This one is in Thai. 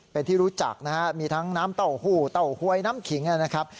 เป็นที่รู้จักนะฮะมีทั้งน้ำเต้าหู้เต้าหวยน้ำขิงนะครับ